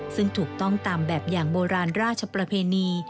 ซึ่งถูกต้องตามแบบอย่างโบราณราชประเพณี